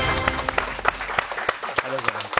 ありがとうございます。